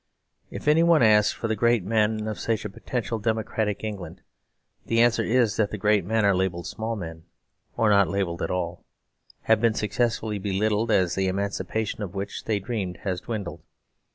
If anyone asks for the great men of such a potential democratic England, the answer is that the great men are labelled small men, or not labelled at all; have been successfully belittled as the emancipation of which they dreamed has dwindled.